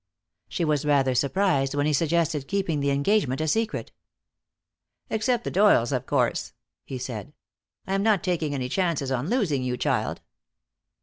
She was rather surprised when he suggested keeping the engagement a secret. "Except the Doyles, of course," he said. "I am not taking any chances on losing you, child."